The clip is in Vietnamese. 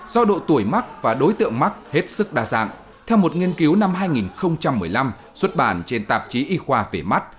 do độ tuổi mắc và đối tượng mắc hết sức đa dạng theo một nghiên cứu năm hai nghìn một mươi năm xuất bản trên tạp chí y khoa về mắt